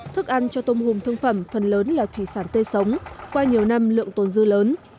thức ăn cho tôm hùm thương phẩm phần lớn là thủy sản tươi sống qua nhiều năm lượng tồn dư lớn